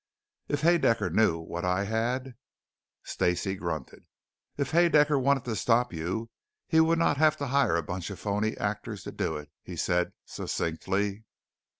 "If Haedaecker knew what I had " Stacey grunted. "If Haedaecker wanted to stop you he would not have to hire a bunch of phony actors to do it," he said succinctly.